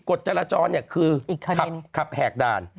กฎจรจรคือขับแหกด่าน